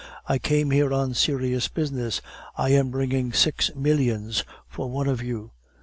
"I came here on serious business. I am bringing six millions for one of you."